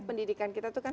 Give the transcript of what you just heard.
pendidikan kita itu kan